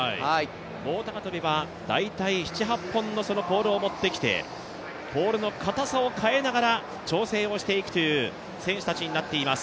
棒高跳は大体７８本のポールを持ってきて、ポールのかたさを変えながら調整をしていくという選手たちになっています。